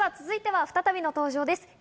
続いては再びの登場です。